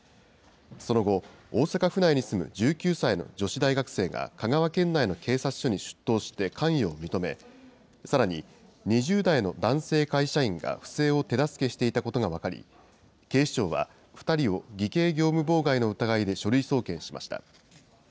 その後、大阪府内に住む１９歳の女子大学生が香川県内の警察署に出頭して関与を認め、さらに２０代の男性会社員が不正を手助けしていたことが分かり、警視庁は２人を偽計業務妨害の疑いで書類送検しました。